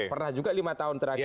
pernah juga lima tahun terakhir